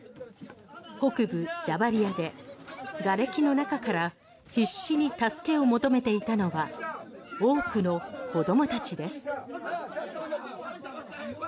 北部ジャバリアでがれきの中から必死に助けを求めていたのは多くの子どもたちです。